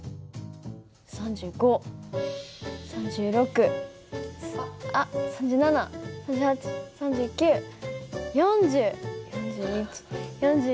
３５３６あっ３７３８３９４０４１４２。